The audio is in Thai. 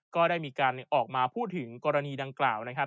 ก็ได้มีการออกมาพูดถึงกรณีดังกล่าวนะครับ